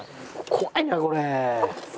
怖いなこれ。